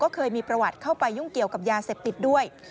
เคยมีประวัติเข้าไปยุ่งเกี่ยวกับยาเสพติดด้วย